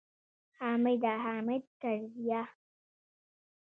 حامده! حامد کرزیه!